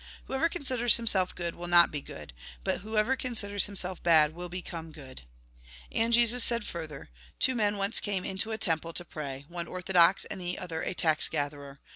Whoever considers himself good will not be good ; but whoever considers himself bad will be come good." And Jesus said further :" Two men once came into a temple to pray ; one orthodox, and the other a tax gatherer.